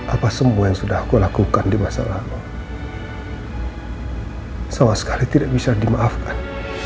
apa semua yang sudah aku lakukan di masa lalu sama sekali tidak bisa dimaafkan